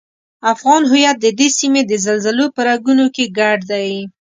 افغان هویت ددې سیمې د زلزلو په رګونو کې ګډ دی.